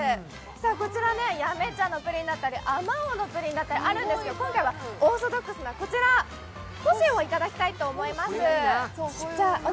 こちら八女茶のプリンだったりあまおうのプリンだったりあるんですけど、今回はオーソドックスなこちら、ポシェをいただきたいと思います。